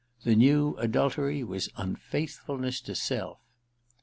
The new adultery was unfaithfulness to self.